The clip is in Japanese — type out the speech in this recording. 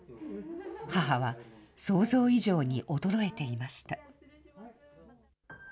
母は、想像以上に衰えていました。